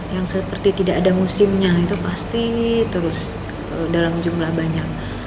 yang seperti tidak ada musimnya itu pasti terus dalam jumlah banyak